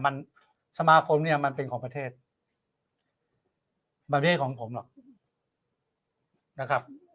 มันสมาคมเนี่ยมันเป็นของประเทศประเทศของผมหรอกนะครับ